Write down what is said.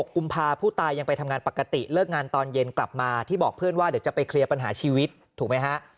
กุมภาพผู้ตายังไปทำงานปกติเลิกงานตอนเย็นกลับมาที่บอกเพื่อนว่าเดี๋ยวจะไปเคลียร์ปัญหาชีวิตถูกไหมฮะ